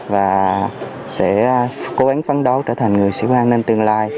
và sẽ cố gắng phấn đấu trở thành người sửa an ninh tương lai